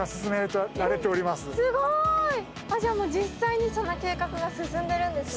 すごい！じゃあ実際にその計画が進んでるんですね。